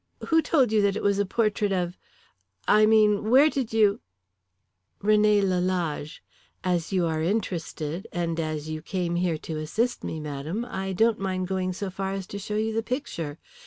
"Who told you that it was a portrait of I mean where did you " "René Lalage. As you are interested, and as you came here to assist me, madame, I don't mind going so far as to show you the picture.